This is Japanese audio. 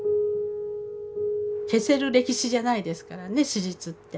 消せる歴史じゃないですからね史実って。